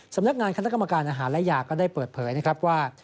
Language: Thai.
สำนักงานคณะกรรมการอาหารและยาก็ได้เปิดเผยนะครับว่า